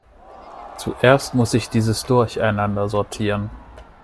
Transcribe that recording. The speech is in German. Zuerst muss ich dieses Durcheinander sortieren.